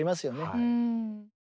はい。